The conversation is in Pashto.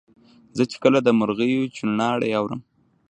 زه چي کله د مرغیو چوڼاری اورم